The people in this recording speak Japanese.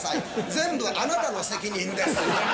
全部あなたの責任です。